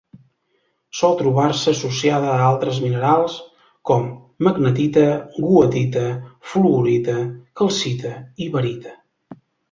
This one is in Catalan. Sol trobar-se associada a altres minerals com: magnetita, goethita, fluorita, calcita i barita.